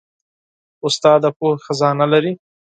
استاد د پوهې خزانه لري.